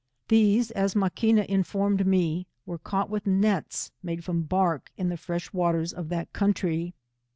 These, as Maquina in formed me, were caught with nets made from bark, in the fresh waters of that country.